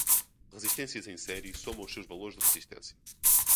Resistências em série somam os seus valores de resistência.